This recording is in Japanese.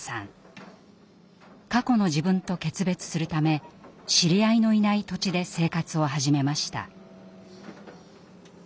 過去の自分と決別するため知り合いのいない土地で生活を始めました。